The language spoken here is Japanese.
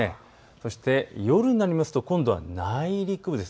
そして夜になりますと今度は内陸部です。